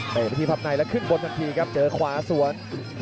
ไปที่พับในแล้วขึ้นบนทันทีครับเจอขวาสวน